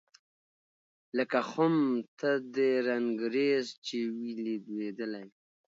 لکه خُم ته د رنګرېز چي وي لوېدلی